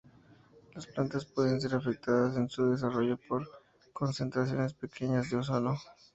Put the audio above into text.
Las plantas pueden ser afectadas en su desarrollo por concentraciones pequeñas de ozono.